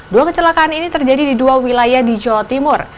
dua kecelakaan ini terjadi di dua wilayah di jawa timur